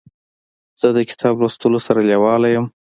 زه د کتاب لوستلو سره لیواله یم.